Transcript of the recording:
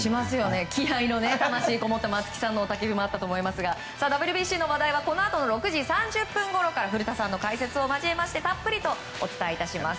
気合の入った松木さんの雄たけびもあったと思いますがＷＢＣの話題はこのあと６時３０分ごろから古田さんの解説を交えましてたっぷりとお伝えいたします。